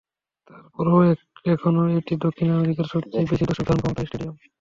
তার পরও এখনো এটি দক্ষিণ আমেরিকার সবচেয়ে বেশি দর্শক ধারণক্ষমতার স্টেডিয়াম।